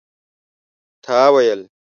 تا ويل